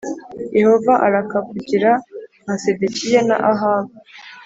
Yehova arakakugira nka Sedekiya na Ahabu